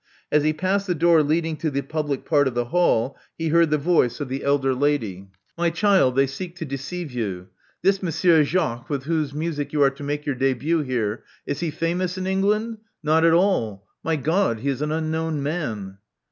As he passed the door leading to the public part of the hall, he heard the voice of the elder lady. 1 82 Love Among the Artists My child, they seek to deceive you. This Monsieur Jacques, with whose music you are to make your debi^t here, is he famous in England? Not at all. My God! he is an unknown man."